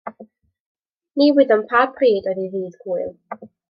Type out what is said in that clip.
Ni wyddom pa bryd oedd ei ddydd Gŵyl.